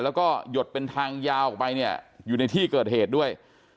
แล้วก็หยดเป็นทางยาวออกไปเนี่ยอยู่ในที่เกิดเหตุด้วย